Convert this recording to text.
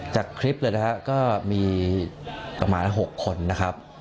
จากคลิปเลยนะครับก็มีประมาณ๖คนนะครับ